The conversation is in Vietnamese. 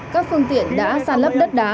các phương tiện đã sàn lấp đất đá